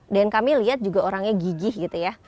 dan kami lihat juga orangnya gigih gitu ya